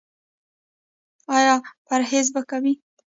ایا پرهیز به کوئ؟